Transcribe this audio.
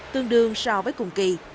tương đương so với cùng kỳ